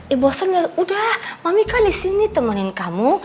eh bosen ya udah mami kan di sini temenin kamu